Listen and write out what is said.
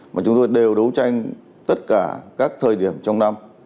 mà chúng tôi đều đấu tranh tất cả các thời điểm trong năm